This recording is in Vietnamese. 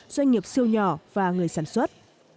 doanh nghiệp siêu nhỏ và người sản xuất